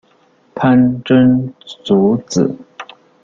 潘珍族子。